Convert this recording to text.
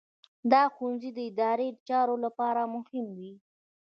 دا ښوونځي د اداري چارو لپاره مهم وو.